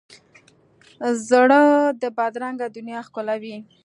زړه د بدرنګه دنیا ښکلاوي.